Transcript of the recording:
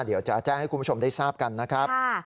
เดี๋ยวจะแจ้งให้คุณผู้ชมได้ทราบกันนะครับ